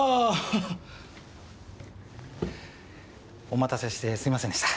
お待たせしてすみませんでした。